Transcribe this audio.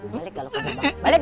balik gak lo ke gerbang